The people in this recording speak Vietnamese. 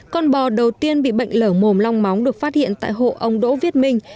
con bò đầu tiên bị bệnh lở mồm long móng được phát hiện tại hộ ông đỗ viết minh